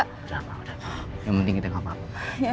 udah udah yang penting kita gak apa apa